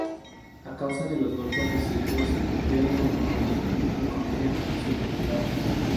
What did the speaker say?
A causa de los golpes recibidos, pierde la memoria y, con ella, su identidad.